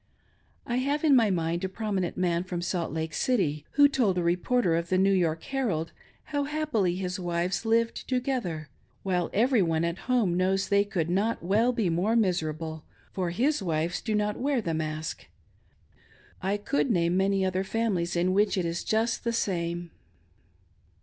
I have in my mind a prominent man from Salt Lake City, who told a reporter of the New York Herald how happily his own wives lived together, while every one at home knows that they could not well be more miserable, for his wives do not wear the mask. I could name many other families in which it is just the same.